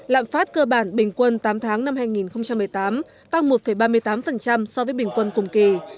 lạm phát cơ bản bình quân tám tháng năm hai nghìn một mươi tám tăng một ba mươi tám so với bình quân cùng kỳ